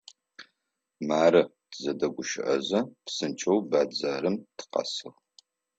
Мары, тызэдэгущыӏэзэ, псынкӏэу бэдзэрым тыкъэсыгъ.